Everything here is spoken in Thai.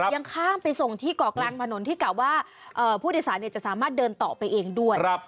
ยังข้ามไปส่งที่เกาะกลางถนนที่กล่าวว่าผู้โดยสารจะสามารถเดินต่อไปเองด้วย